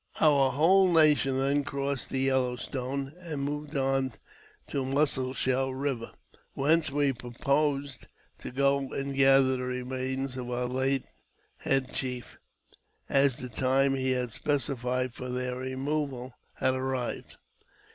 Our whole nation then crossed the Yellow Stone, and moved on to Mussel Shell River, whence we purposed to go and gather the remains of our late head chief, as the time he had specified for their removal had arrived.